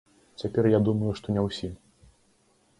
Цяпер я думаю, што не ўсім.